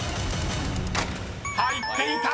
［入っていた！